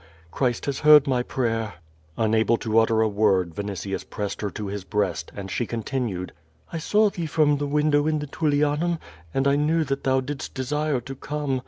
Christ has heard my prayer." Unable to utter a word, Vinitius pressed her to his breast, and she continued: "I saw thee from the window in the Tullianum, and I knew that thou didst desire to come.